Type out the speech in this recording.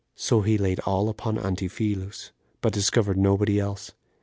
So he laid all upon Antiphilus, but discovered nobody else.